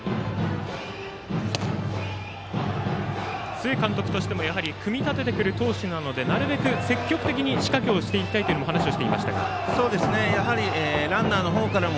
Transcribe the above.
須江監督としても組み立ててくる投手なのでなるべく積極的に仕掛けをしてきたいとランナーの方からも